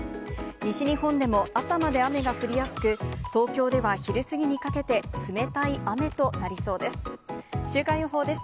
西日本でも朝まで雨が降りやすく、東京では昼過ぎにかけて冷たい雨となりそうです。